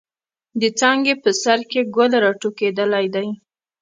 د څانګې په سر کښې ګل را ټوكېدلے دے۔